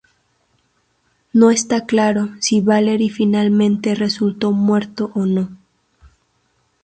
No está claro si Valery finalmente resultó muerto o no.